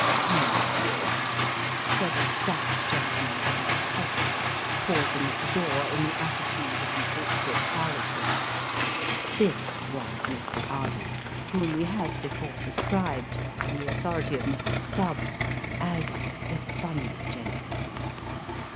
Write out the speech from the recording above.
u How are you V " said a stout gentleman of about forty, pausing at the door in the attitude of an awkward harlequin. This was Mr. Hardy, whom we have before described, on the authority of Mrs. Stubbs, as " the funny gentleman."